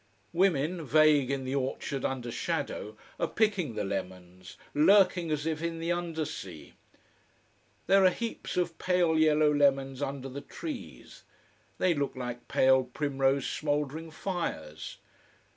Women, vague in the orchard under shadow, are picking the lemons, lurking as if in the undersea. There are heaps of pale yellow lemons under the trees. They look like pale, primrose smouldering fires.